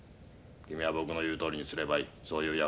君は僕の言うとおりにすればいい。